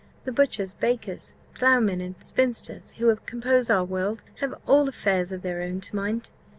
The butchers, bakers, ploughmen, and spinsters, who compose our world, have all affairs of their own to mind.